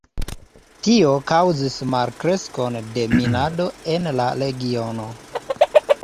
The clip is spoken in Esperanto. Tio kaŭzis malkreskon de minado en la regiono.